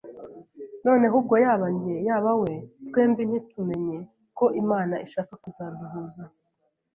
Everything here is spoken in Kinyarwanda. Noneho ubwo yaba njye yaba we, twembi ntitumenye ko Imana ishaka kuzaduhuza